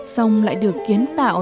xong lại được kiến tạo